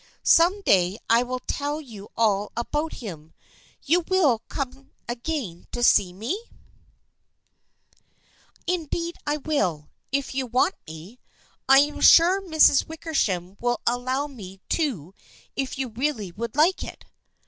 Some day I will tell you all about him. You will come again to see me? " 176 THE FRIENDSHIP OF ANNE " Indeed I will, if you want me. I am sure Miss Wickersham will allow me to if you really would like it."